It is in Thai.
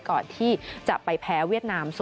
ก่อนที่จะไปแพ้เวียดนาม๐